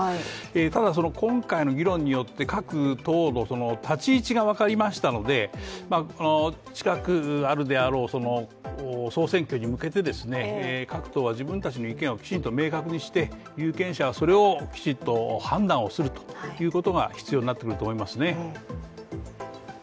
ただ、今回の議論によって各党の立ち位置が分かりましたので近くあるであろう、総選挙に向けて各党は自分たちの意見をきちんと明確にして有権者はそれをきちっと判断をするということが必要になってくると思いますね。